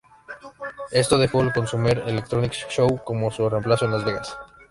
Esto dejó al Consumer Electronics Show como su reemplazo en Las Vegas.